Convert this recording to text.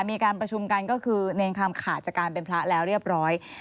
มีการประชุมกันก็คือเนรคำขาดจากการเป็นพระแล้วเรียบร้อย